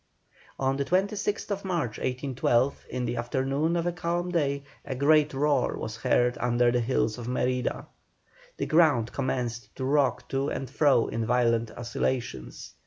On the 26th March, 1812, in the afternoon of a calm day, a great roar was heard under the hills of Mérida. The ground commenced to rock to and fro in violent oscillations.